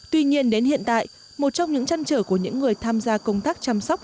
tuy nhiên đến hiện tại một trong những trăn trở của những người tham gia công tác chăm sóc